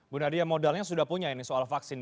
bu nadia modalnya sudah punya ini soal vaksin